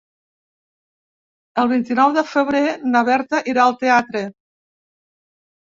El vint-i-nou de febrer na Berta irà al teatre.